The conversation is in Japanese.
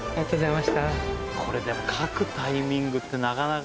これでも描くタイミングってなかなか。